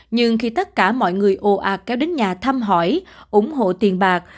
nhưng khi tất cả mọi người ồ ạt kéo đến nhà thăm hỏi ủng hộ tiền bạc